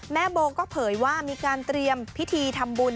โบก็เผยว่ามีการเตรียมพิธีทำบุญ